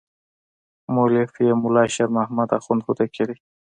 مؤلف یې ملا شیر محمد اخوند هوتکی دی.